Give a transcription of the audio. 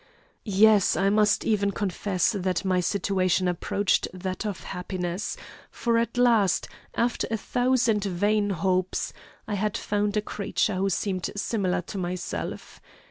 Yes, I must even confess that my situation approached that of happiness, for at last, after a thousand vain hopes, I had found a creature who seemed similar to myself.